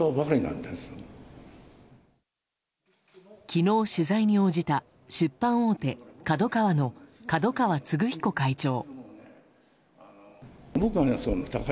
昨日、取材に応じた出版大手ＫＡＤＯＫＡＷＡの角川歴彦会長。